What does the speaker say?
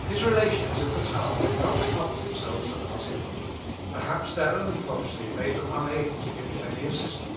His relations in the town did not trouble themselves about him. Perhaps their own poverty made them unable to give him any assistance.